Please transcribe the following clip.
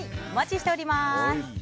お待ちしております。